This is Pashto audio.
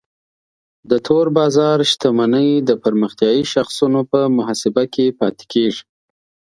د تور بازار شتمنۍ د پرمختیایي شاخصونو په محاسبه کې پاتې کیږي.